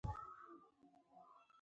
کب نیونکي خپلو خوښې ځایونو ته ډلې ډلې ځي